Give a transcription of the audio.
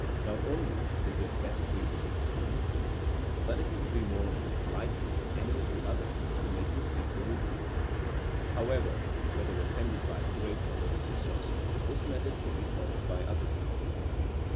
Not only is it best for making you think deeply, but it will be more likely than any of the others to make you think originally. However, whether attended by great or little success, this method should be followed by others.